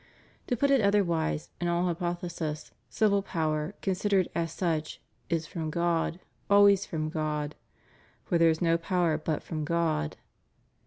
To put it otherwise, in all hypotheses, civil power, con sidered as such, is from God, always from God: "For there is no power but from God."